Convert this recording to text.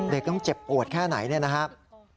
เด็กต้องเจ็บโกรธแค่ไหนนะครับ